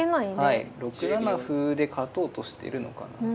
はい６七歩で勝とうとしてるのかな。